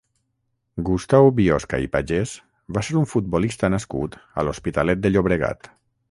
Gustau Biosca i Pagès va ser un futbolista nascut a l'Hospitalet de Llobregat.